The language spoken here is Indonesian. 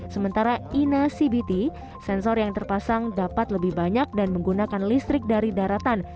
sementara ina cbt sensor yang terpasang dapat lebih banyak dan menggunakan listrik dari daratan